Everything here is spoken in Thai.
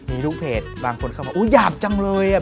มีลูกเพจบางคนเข้ามาอุ๊ยหยาบจังเลยอ่ะ